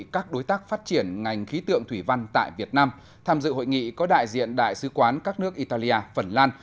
các đối tác phát triển ngành khí tượng thủy văn tại việt nam tham dự hội nghị có đại diện đại sứ quán các nước italia phần lan